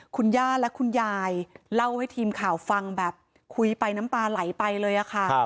คุณย่าและคุณยายเล่าให้ทีมข่าวฟังแบบคุยไปน้ำตาไหลไปเลยค่ะ